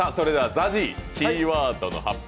ＺＡＺＹ、キーワードの発表